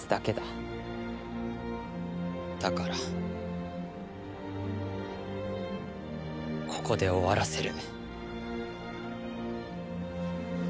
だからここで終わらせる。